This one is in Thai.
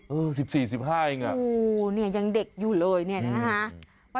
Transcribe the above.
อือ๑๔๑๕อ่ะยังยั่งเด็กอยู่เลยนะฮะ